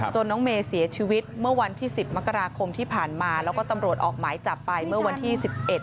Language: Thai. น้องเมย์เสียชีวิตเมื่อวันที่สิบมกราคมที่ผ่านมาแล้วก็ตำรวจออกหมายจับไปเมื่อวันที่๑๑